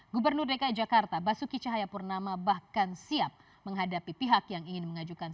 gubernur dki jakarta basuki cahayapurnama bahkan siap menghadapi pihak yang ingin mengajukan